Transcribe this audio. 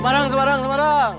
semarang semarang semarang